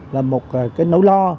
là một cái nỗi lo